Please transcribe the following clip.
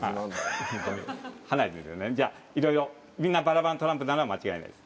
みんなバラバラのトランプなのは間違いないです。